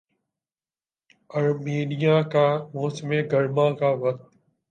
Armenia کا موسم گرما کا وقت